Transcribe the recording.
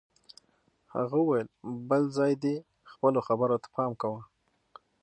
هغه وویل بل ځل دې خپلو خبرو ته پام کوه